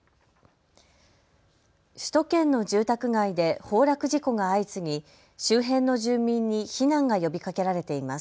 首都圏の住宅街で崩落事故が相次ぎ周辺の住民に避難が呼びかけられています。